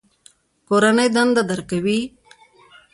کورنۍ دنده درکوي؟